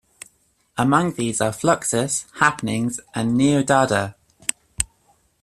Among these are Fluxus, Happenings, and Neo-Dada.